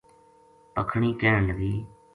پکھنی کہن لگی